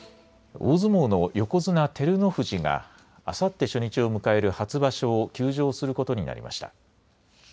大相撲の横綱・照ノ富士があさって初日を迎える初場所を休場することになりました。